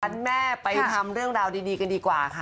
อันแม่ไปทำเรื่องราวดีกันดีกว่าค่ะ